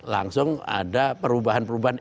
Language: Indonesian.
langsung ada perubahan perubahan